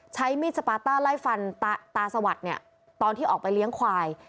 ใช้มีดสปาต้าไล่ฟันตาสวัสดิ์เนี่ยตอนที่ออกไปเลี้ยงควาย